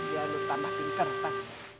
biar lo tambah pinter pak